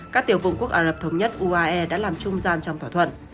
các tiểu vùng quốc ả rập thống nhất uae đã làm trung gian trong thỏa thuận